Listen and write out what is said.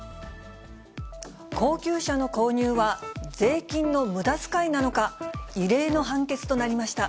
高級車の購入は税金のむだ使いなのか、異例の判決となりました。